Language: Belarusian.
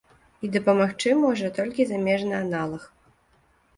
І дапамагчы можа толькі замежны аналаг.